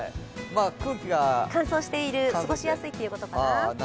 空気が乾燥している、過ごしやすいということかな。